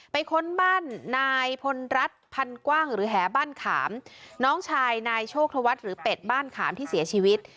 ค้นบ้านนายพลรัฐพันกว้างหรือแหบ้านขามน้องชายนายโชคธวัฒน์หรือเป็ดบ้านขามที่เสียชีวิต